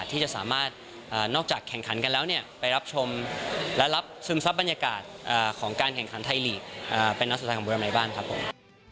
ที่จะสามารถนอกจากแข่งขันกันแล้วเนี่ยไปรับชมและรับซึมซับบรรยากาศของการแข่งขันไทยลีกเป็นนัดสุดท้ายของบุรีรำอะไรบ้างครับผม